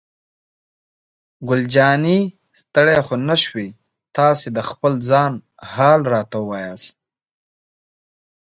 ګل جانې: ستړی خو نه شوې؟ تاسې د خپل ځان حال راته ووایاست.